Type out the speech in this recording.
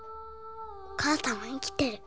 おかあさんは生きてる。